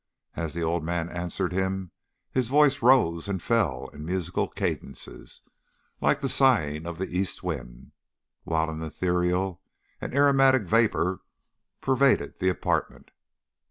As the old man answered him his voice rose and fell in musical cadences, like the sighing of the east wind, while an ethereal and aromatic vapour pervaded the apartment.